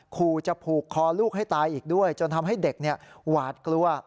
ขู่จะผูกคอลูกให้ตายอีกด้วยจนทำให้เด็กหวาดกลัว